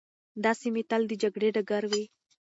دا سیمي تل د جګړې ډګر وې.